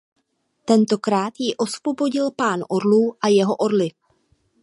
Tentokrát je osvobodil Pán orlů a jeho orli.